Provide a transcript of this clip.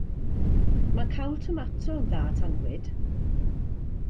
Mae cawl tomato yn dda at annwyd.